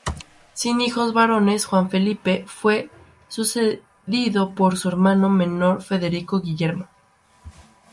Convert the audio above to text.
Sin hijos varones, Juan Felipe fue sucedido por su hermano menor Federico Guillermo.